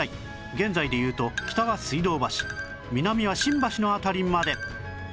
現在でいうと北は水道橋南は新橋の辺りまで